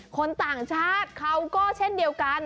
คนต่างชาติเขาก็เช่นเดียวกัน